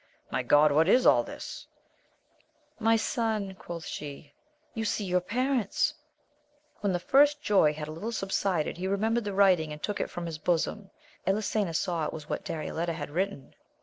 My God ! what is all this ? My son, quoth she, you see your parents ! When thi first joy had a little subsided he remem bered the writing, and took it from his bosom. EU sena saw it was what Darioleta had written.